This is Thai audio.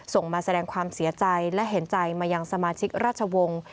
ส่งมาแสดงความเสียใจและเห็นใจมายังสมาชิกราชวงศ์